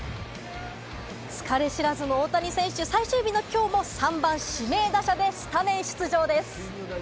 疲れ知らずの大谷選手、最終日の今日も３番・指名打者でスタメン出場です。